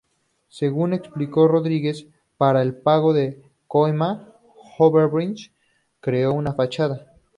Según explicó Rodrigues, para el pago de coimas Odebrecht creó una fachada.